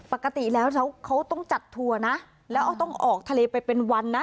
ปกติแล้วเขาต้องจัดทัวร์นะแล้วต้องออกทะเลไปเป็นวันนะ